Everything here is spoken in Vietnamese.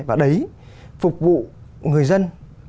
và đấy phục vụ người dân